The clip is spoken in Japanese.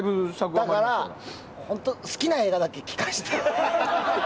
だから好きな映画だけ聞かせて。